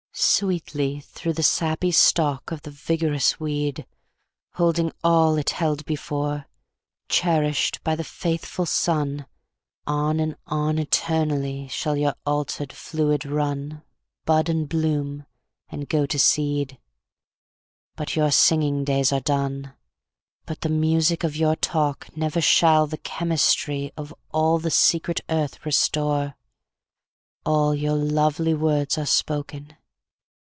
Sweetly through the sappy stalk Of the vigorous weed, Holding all it held before, Cherished by the faithful sun, On and on eternally Shall your altered fluid run, Bud and bloom and go to seed; But your singing days are done; But the music of your talk Never shall the chemistry Of the secret earth restore. All your lovely words are spoken.